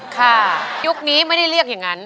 ยุคนี้ไม่ได้เรียกอย่างนั้น